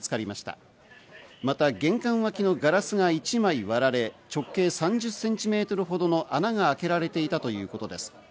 また、玄関脇のガラスが１枚割られ、直径３０ｃｍほどの穴が開けられていたということです。